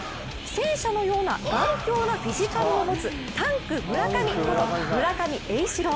戦車のような頑強なフィジカルを持つタンク村上こと、村上英士朗。